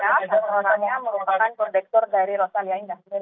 dan korbannya merupakan kondektor dari rosalia